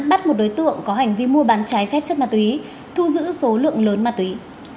bắt một đối tượng có hành vi mua bán trái phép chất ma túy thu giữ số lượng lớn ma túy